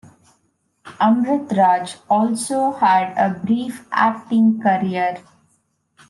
Amritraj also had a brief acting career.